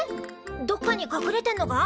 どっかにかくれてんのか？